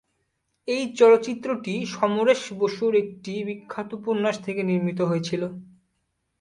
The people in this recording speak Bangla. এই চলচ্চিত্রটি সমরেশ বসুর একটি বিখ্যাত উপন্যাস থেকে নির্মিত হয়েছিল।